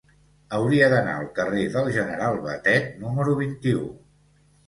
Hauria d'anar al carrer del General Batet número vint-i-u.